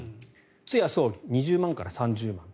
通夜・葬儀２０万円から３０万円。